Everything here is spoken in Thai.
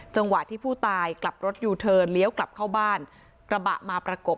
จังหวะที่ผู้ตายกลับรถยูเทิร์นเลี้ยวกลับเข้าบ้านกระบะมาประกบ